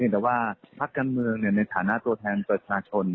แต่ว่าพักการเมืองในฐานะตัวแทนประชาชน